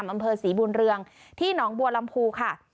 บริเวณดำเภอศรีบูรเรืองที่หนองบัวลำพูค่ะ